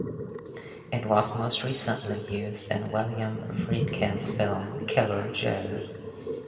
It was most recently used in William Friedkin's film "Killer Joe".